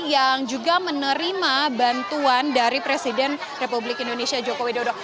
yang juga menerima bantuan dari presiden republik indonesia joko widodo